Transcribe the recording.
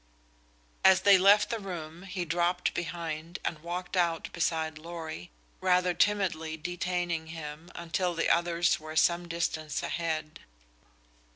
As they left the room he dropped behind and walked out beside Lorry, rather timidly detaining him until the others were some distance ahead.